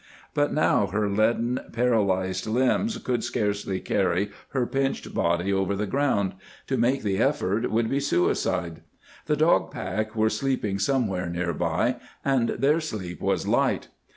But now her leaden, paralyzed limbs could scarcely carry her pinched body over the ground. To make the effort would be suicide. The dog pack were sleeping somewhere near by, and their sleep was light!